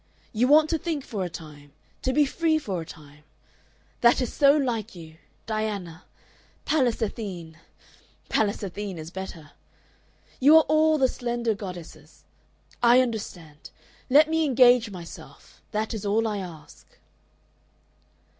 You want to think for a time, to be free for a time. That is so like you, Diana Pallas Athene! (Pallas Athene is better.) You are all the slender goddesses. I understand. Let me engage myself. That is all I ask."